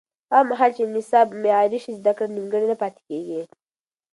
هغه مهال چې نصاب معیاري شي، زده کړه نیمګړې نه پاتې کېږي.